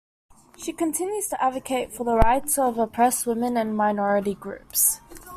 She continues to advocate for the rights of oppressed women and minority groups.